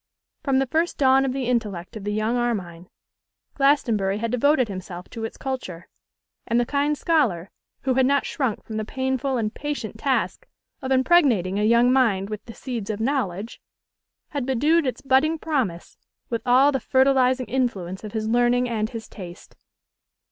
From the first dawn of the intellect of the young Armine, Glastonbury had devoted himself to its culture; and the kind scholar, who had not shrunk from the painful and patient task of impregnating a young mind with the seeds of knowledge, had bedewed its budding promise with all the fertilising influence of his learning and his taste.